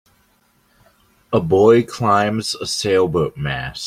A boy climbs a sailboat mast.